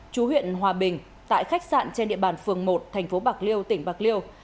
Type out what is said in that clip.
chú huyện hòa bình tại khách sạn trên địa bàn phường một thành phố bạc liêu tỉnh bạc liêu